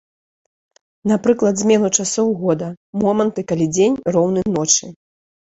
Напрыклад, змену часоў года, моманты, калі дзень роўны ночы.